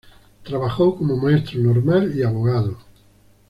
Trabajó como maestro normal y abogado.